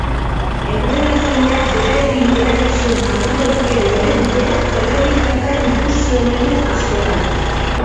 Entrenatzaileak berarekin erabili zuen patroi edo eredu bera errepikatuta ikusi omen du askotan.